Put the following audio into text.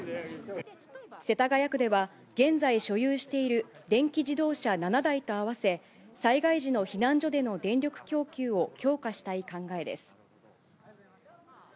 世田谷区では、現在所有している電気自動車７台と合わせ、災害時の避難所での電力供給を強化したい考えです。